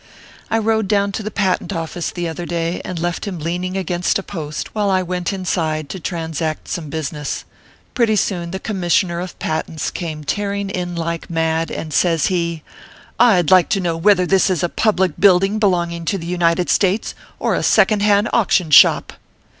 I rode down to the Patent Office, the other day, and left him leaning against a post, while I went inside to transact some business. Pretty soon the Commis sioner of Patents came tearing in like mad, and says he :" I d like to know whether this is a public building belonging to the United States, or a second hand auction shop."